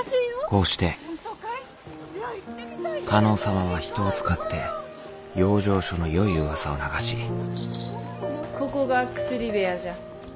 こうして加納様は人を使って養生所のよい噂を流しここが薬部屋じゃ。